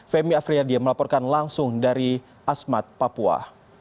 femi afriyadi yang melaporkan langsung dari asmat papua